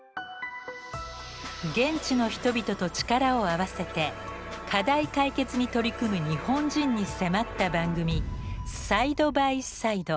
現地の人々と力を合わせて課題解決に取り組む日本人に迫った番組